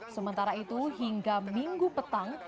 sementara itu hingga minggu petang